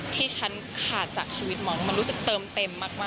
ที่ฉันขาดจากชีวิตหมอมันรู้สึกเติมเต็มมาก